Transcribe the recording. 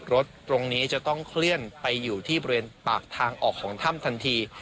รถตรงนี้จะต้องเคลื่อนไปอยู่ที่บริเวณปากทางออกของถ้ำทันที